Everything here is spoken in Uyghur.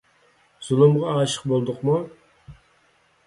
زۇلۇمغا ئاشىق بولدۇقمۇ؟